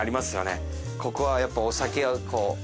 ここはやっぱ。